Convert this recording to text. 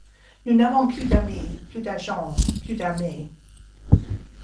Nous n'avons plus d'amis, plus d'argent, plus d'armée